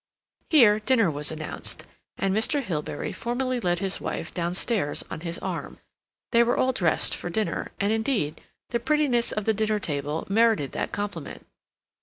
Here dinner was announced, and Mr. Hilbery formally led his wife downstairs on his arm. They were all dressed for dinner, and, indeed, the prettiness of the dinner table merited that compliment.